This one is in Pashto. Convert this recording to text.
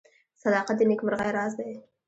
• صداقت د نیکمرغۍ راز دی.